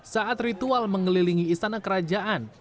saat ritual mengelilingi istana kerajaan